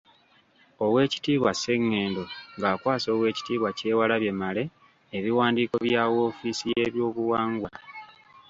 Oweekitiibwa Ssengendo ng'akwasa oweekitiibwa Kyewalabye Male ebiwandiiko bya woofiisi y'ebyobuwangwa.